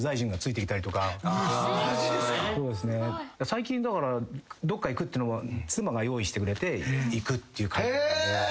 最近だからどっか行くってのは妻が用意してくれて行くって感じだったんで。